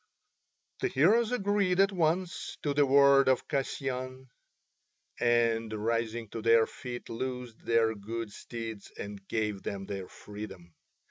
The heroes agreed at once to the word of Kasyan, and rising to their feet loosed their good steeds and gave them their freedom.